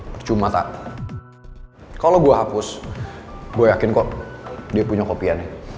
percuma tat kalo gua hapus gua yakin kok dia punya kopiannya